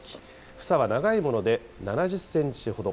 房は長いもので７０センチほど。